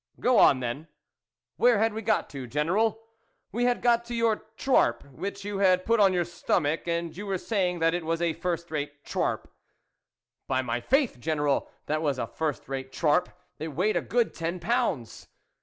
" Go on, then." " Where had we got to, General ?"" We had got to your trarp, which you had put on your stomach, and you were saying that it was a first rate trarp" " By my faith, General, that was a first rate trarp !" It weighed a good ten pounds.